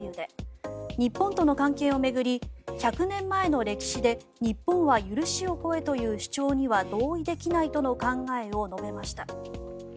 韓国の尹錫悦大統領はアメリカ訪問前のインタビューで日本との関係を巡り１００年前の歴史で日本は許しを請えという主張には同意できないとの考えを述べました。